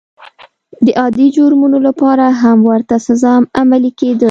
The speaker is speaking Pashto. د عادي جرمونو لپاره هم ورته سزا عملي کېده.